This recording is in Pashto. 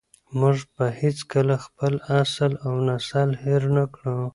موږ به هېڅکله خپل اصل او نسل هېر نه کړو.